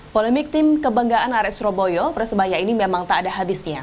polemik tim kebanggaan ares roboyo persebaya ini memang tak ada habisnya